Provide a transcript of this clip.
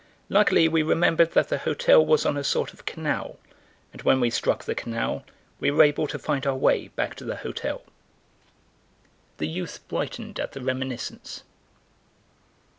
Luckily we remembered that the hotel was on a sort of canal, and when we struck the canal we were able to find our way back to the hotel." The youth brightened at the reminiscence.